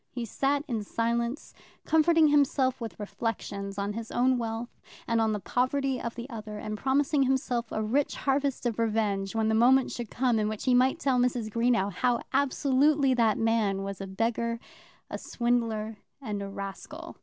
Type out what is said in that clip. He sat in silence, comforting himself with reflections on his own wealth, and on the poverty of the other, and promising himself a rich harvest of revenge when the moment should come in which he might tell Mrs. Greenow how absolutely that man was a beggar, a swindler, and a rascal.